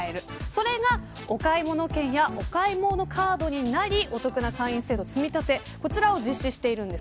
それが、お買い物券やお買い物カードになりお得な会員制度の積み立てを実施しています。